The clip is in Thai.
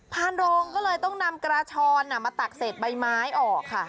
โรงก็เลยต้องนำกระชอนมาตักเศษใบไม้ออกค่ะ